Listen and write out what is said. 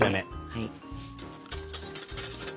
はい。